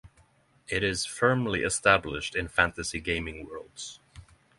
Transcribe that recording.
It is firmly established in fantasy gaming worlds.